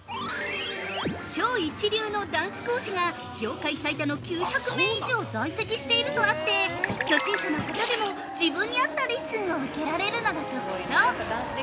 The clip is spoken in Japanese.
超一流のダンス講師が業界最多の９００名以上在籍しているとあって初心者の方でも自分に合ったレッスンを受けられるのが特徴。